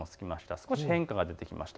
少し変化が出てきました。